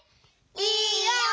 いいよ！